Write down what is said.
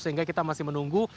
sehingga kita masih menunggu